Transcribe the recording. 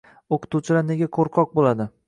O'qituvchilar nega qo'rqoq bo'ladi?